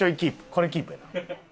これキープやな。